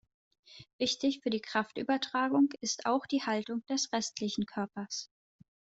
Wichtig für die Kraftübertragung ist auch die Haltung des restlichen Körpers.